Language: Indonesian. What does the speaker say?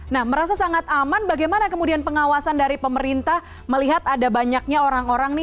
nah merasa sangat aman bagaimana kemudian pengawasan dari pemerintah melihat ada banyaknya orang orang nih